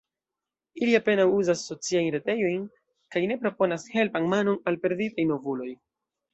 Ili apenaŭ uzas sociajn retejojn kaj ne proponas helpan manon al perditaj novuloj.